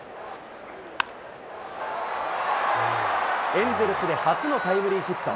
エンゼルスで初のタイムリーヒット。